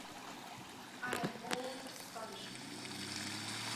I am all astonishment.